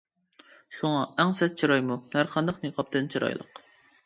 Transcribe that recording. شۇڭا ئەڭ سەت چىرايمۇ ھەر قانداق نىقابتىن چىرايلىق.